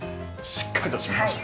しっかりと閉めました。